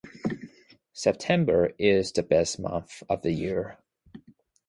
September is the best month of the year.